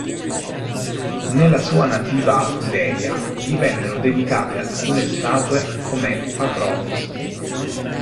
Nella sua nativa Aquileia gli vennero dedicate alcune statue, come "patronus".